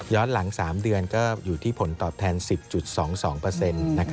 หลัง๓เดือนก็อยู่ที่ผลตอบแทน๑๐๒๒